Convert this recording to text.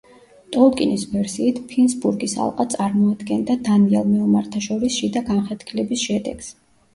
ტოლკინის ვერსიით, ფინსბურგის ალყა წარმოადგენდა დანიელ მეომართა შორის შიდა განხეთქილების შედეგს.